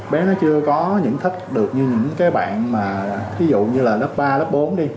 bé nó chưa có những thích được như những cái bạn mà ví dụ như là lớp ba lớp bốn đi